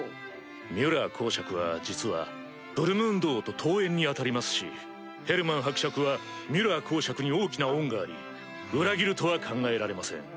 ミュラー侯爵は実はブルムンド王と遠縁に当たりますしヘルマン伯爵はミュラー侯爵に大きな恩があり裏切るとは考えられません。